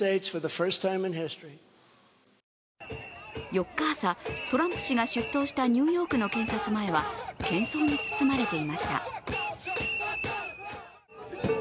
４日朝、トランプ氏が出頭したニューヨークの検察前は喧噪に包まれていました。